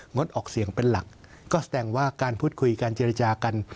งดออกเสียงเป็นหลักก็แสดงว่าการพูดคุยการเจรจากัน